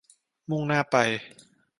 มุ่งหน้าไป